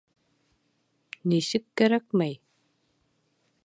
— Нисек кәрәкмәй?